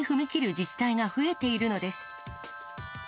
自治体が増えているのです。